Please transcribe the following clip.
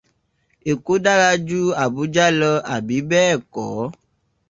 Èkó dára ju Àbújá lọ, àbí bẹ́ẹ̀ kọ́?